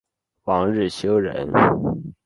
王日休人。